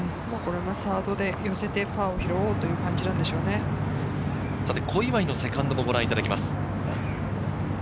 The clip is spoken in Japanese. サードで寄せてパーを拾うという感じなんで小祝のセカンドもご覧いただきます。